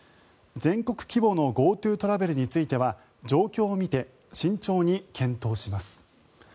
全国規模のＧｏＴｏトラベルについては状況を見て慎重に検討します。